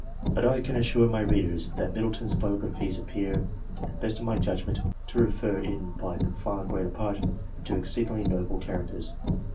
But I can assure my readers, that 'Middleton's biographies appear, to the best of my judgment, to refer, in by the far greater part, to exceedingly noble characters.